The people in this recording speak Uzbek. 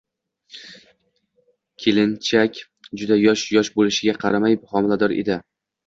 Kelinchak juda yosh, yosh bo`lishiga qaramay homilador edi